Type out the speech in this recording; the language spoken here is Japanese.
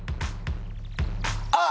あっ！